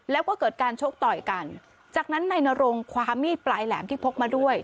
แล้วก็เกิดการชกต่อยกันจากนั้นนายนรงความมีดปลายแหลมที่พกมาด้วย